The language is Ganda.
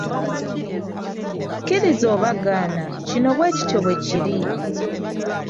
Kkiriza oba gaana kino bwe kityo bwe kiri.